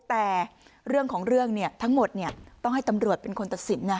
แต่เรื่องของเรื่องทั้งหมดต้องให้ตำรวจเป็นคนตัดสินนะ